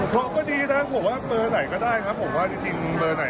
ผมได้อันดับที่๑๓คือผมได้เบอร์สุดท้าย